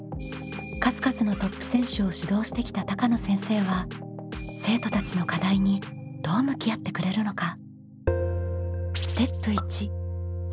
数々のトップ選手を指導してきた高野先生は生徒たちの課題にどう向き合ってくれるのか？